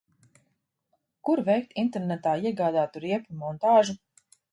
Kur veikt internetā iegādātu riepu montāžu?